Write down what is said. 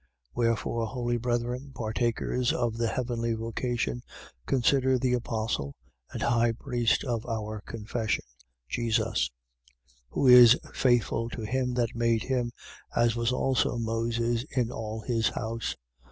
3:1. Wherefore, holy brethren, partakers of the heavenly vocation consider the apostle and high priest of our confession, Jesus: 3:2. Who is faithful to him that made him, as was also Moses in all his house.